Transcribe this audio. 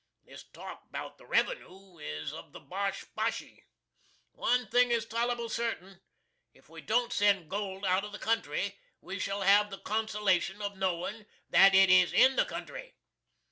This talk 'bout the Revenoo is of the bosh boshy. One thing is tol'bly certin if we don't send gold out of the country we shall have the consolation of knowing that it is in the country.